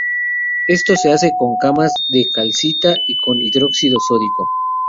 Esto se hace con camas de calcita y con hidróxido sódico.